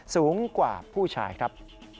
สูงกว่าผู้ชายครับ